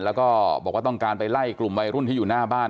แล้วก็บอกว่าต้องการไปไล่กลุ่มวัยรุ่นที่อยู่หน้าบ้าน